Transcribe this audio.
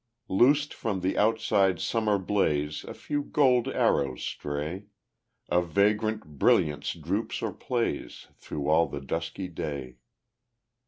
Loosed from the outside summer blaze A few gold arrows stray; A vagrant brilliance droops or plays Through all the dusky day.